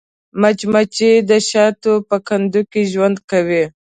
مچمچۍ د شاتو په کندو کې ژوند کوي